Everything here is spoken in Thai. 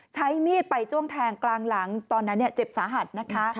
ใช้มีดไปจ้วงแทงกลางหลังตอนนั้นเจ็บสาหัสนะคะ